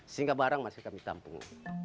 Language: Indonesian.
sehingga barang masih kami tampung